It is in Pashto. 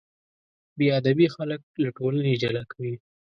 بېادبي خلک له ټولنې جلا کوي.